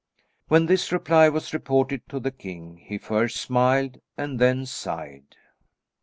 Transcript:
When this reply was reported to the king he first smiled and then sighed.